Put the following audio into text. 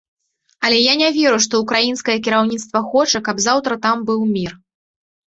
Але я не веру, што ўкраінскае кіраўніцтва хоча, каб заўтра там быў мір.